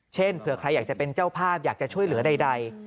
เผื่อใครอยากจะเป็นเจ้าภาพอยากจะช่วยเหลือใด